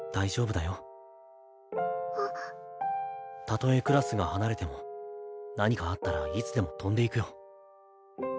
たとえクラスが離れても何かあったらいつでも飛んでいくよ。